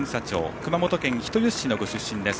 熊本県人吉市のご出身です。